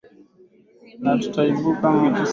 na tutaibuka mabingwa katika mapambano haya ya kihistoria